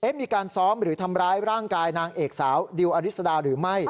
มีการซ้อมหรือทำร้ายร่างกายนางเอกสาวดิวอริสดาหรือไม่